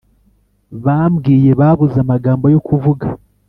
bambwiye babuze amagambo yo kuvuga